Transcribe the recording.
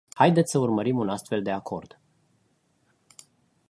Haideți să urmărim un astfel de acord.